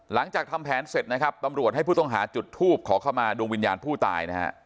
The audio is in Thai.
หลังจากทำแผนเสร็จนะครับตำรวจให้ผู้ต้องหาจุดทูบขอเข้ามาดวงวิญญาณผู้ตายนะฮะ